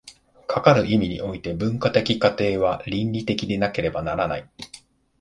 かかる意味において、文化的過程は倫理的でなければならない。